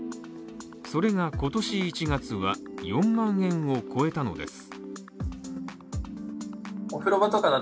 それが今年１月は４万円を超えたのです。